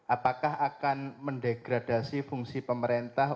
apakah akan mendegradasi fungsi pemerintah